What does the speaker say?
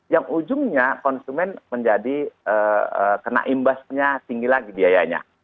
yang ujungnya konsumen menjadi kena imbasnya tinggi lagi biayanya